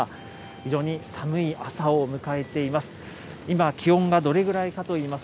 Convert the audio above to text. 非常に寒い朝を迎えています。